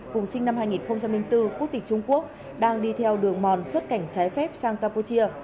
cùng sinh năm hai nghìn bốn quốc tịch trung quốc đang đi theo đường mòn xuất cảnh trái phép sang campuchia